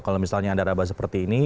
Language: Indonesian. kalau misalnya anda rabah seperti ini